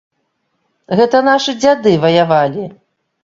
Гэта нашы дзяды ваявалі.